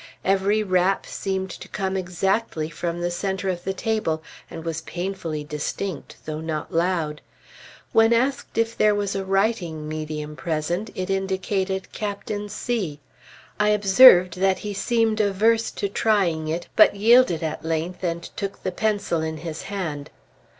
Every rap seemed to come exactly from the centre of the table, and was painfully distinct though not loud. When asked if there was a writing medium present, it indicated Captain C . I observed that he seemed averse to trying it, but yielded at length and took the pencil in his hand.